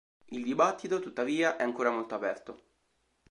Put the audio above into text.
Il dibattito, tuttavia, è ancora molto aperto.